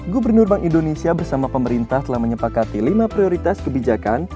gubernur bank indonesia bersama pemerintah telah menyepakati lima prioritas kebijakan